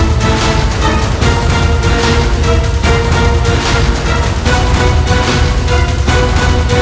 mau kau beri cerita apa tuh di sana